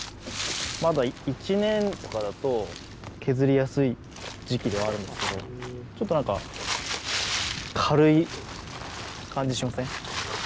まだ１年とかだと削りやすい時期ではあるんですけどちょっと何か軽い感じしません？